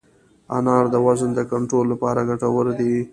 انار د وزن د کنټرول لپاره ګټور دی.